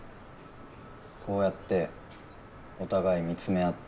こうやってお互い見つめ合って。